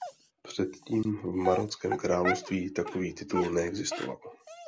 Předtím v Marockém království takový titul neexistoval.